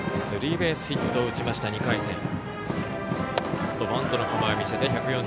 スリーベースヒットを打ちました２回戦。